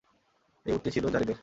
এই উটটি ছিল যারীদের।